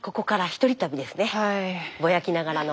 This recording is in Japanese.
ぼやきながらの。